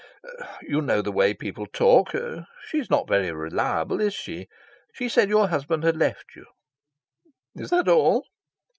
"You know the way people talk. She's not very reliable, is she? She said your husband had left you." "Is that all?"